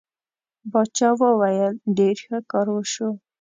باچا وویل ډېر ښه کار وشو.